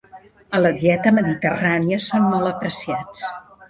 A la dieta mediterrània són molt apreciats.